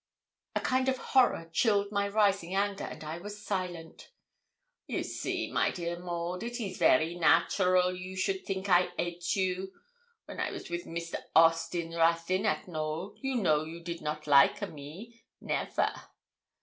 A kind of horror chilled my rising anger, and I was silent. 'You see, my dear Maud, it is very natural you should think I hate you. When I was with Mr. Austin Ruthyn, at Knowl, you know you did not like a me never.